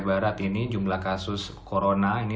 barat ini jumlah kasus corona ini